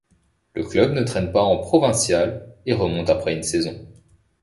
Le club ne traîne pas en provinciales et remonte après une saison.